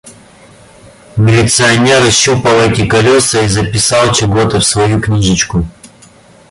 Милиционер ощупал эти колёса и записал чего-то в свою книжечку.